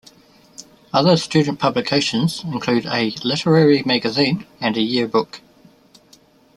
Other student publications include a literary magazine and a yearbook.